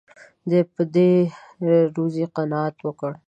ده په دې روزي قناعت وکړ.